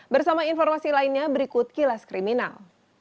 bersama informasi lainnya berikut kilas kriminal